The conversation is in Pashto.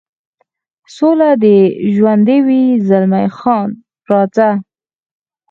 سوله دې ژوندی وي، زلمی خان: راځه.